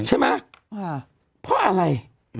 ใช่ไหมเพราะอะไร